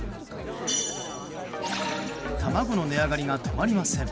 卵の値上がりが止まりません。